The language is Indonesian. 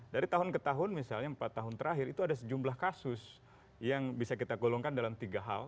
dari tahun ke tahun misalnya empat tahun terakhir itu ada sejumlah kasus yang bisa kita golongkan dalam tiga hal